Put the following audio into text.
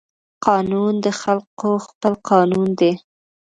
قانون د خلقو خپل قانون دى.